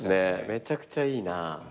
めちゃくちゃいいな。